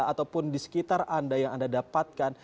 ataupun di sekitar anda yang anda dapatkan